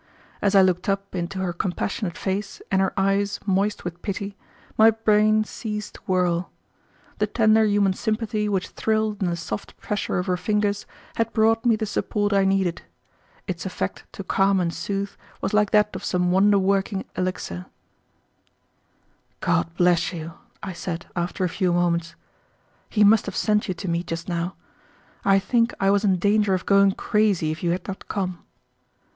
As I looked up into her compassionate face and her eyes moist with pity, my brain ceased to whirl. The tender human sympathy which thrilled in the soft pressure of her fingers had brought me the support I needed. Its effect to calm and soothe was like that of some wonder working elixir. "God bless you," I said, after a few moments. "He must have sent you to me just now. I think I was in danger of going crazy if you had not come."